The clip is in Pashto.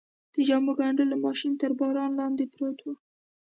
د جامو ګنډلو ماشین تر باران لاندې پروت و.